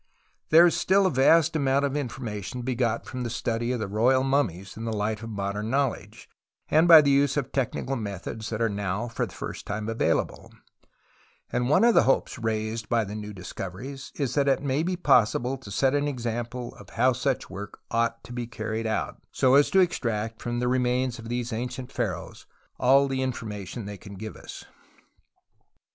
There is still a vast amount of information to be got from the study of the royal mummies in the light of modern knowleds^e. THE VALLEY OF THE TOMBS 85 and by the use of technical inethods that are now for the first time available : and one of the hopes raised by the new discoveries is that it may be possible to set an example of how sucji work ought to be carried out, so as to extract from the remains of these ancient pharaohs all the information they can give us.